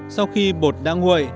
sau khi bột đã nguội